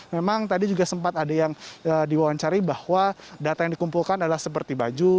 memang tadi juga sempat ada yang diwawancari bahwa data yang dikumpulkan adalah seperti baju